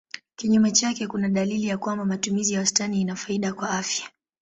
Kinyume chake kuna dalili ya kwamba matumizi ya wastani ina faida kwa afya.